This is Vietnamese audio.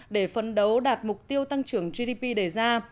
để phấn đấu đạt mục tiêu tăng trưởng gdp đề ra